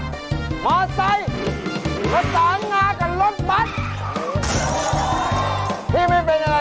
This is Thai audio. ส้มเขียวหวานจะราคาถูกที่สุดหรือเปล่า